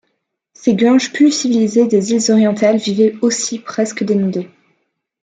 Ces Guanches plus civilisés des îles orientales vivaient aussi presque dénudés.